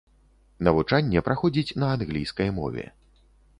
Навучанне праходзіць на англійскай мове.